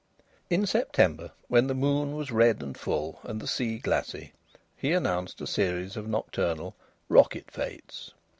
In September, when the moon was red and full, and the sea glassy, he announced a series of nocturnal "Rocket Fêtes."